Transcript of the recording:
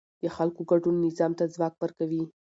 د خلکو ګډون نظام ته ځواک ورکوي